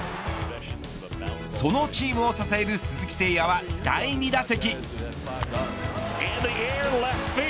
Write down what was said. そのチームを支える鈴木誠也は第２打席。